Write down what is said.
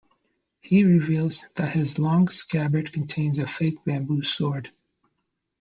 He reveals that his long scabbard contains a fake bamboo sword.